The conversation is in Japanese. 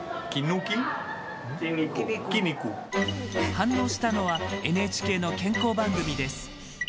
反応したのはＮＨＫの健康番組です。